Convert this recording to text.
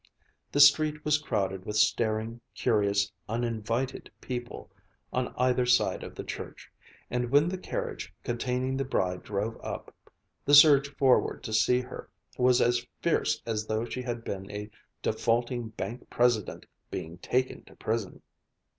The street was crowded with staring, curious, uninvited people on either side of the church, and when the carriage containing the bride drove up, the surge forward to see her was as fierce as though she had been a defaulting bank president being taken to prison.